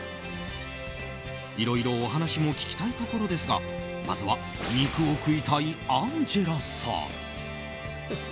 いろいろお話も聞きたいところですがまずは肉を食いたいアンジェラさん。